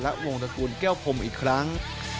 และวงตระกูลแก้วพรมอีกครั้ง